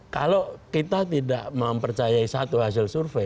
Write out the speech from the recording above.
kalau kita tidak mempercayai satu hasil survei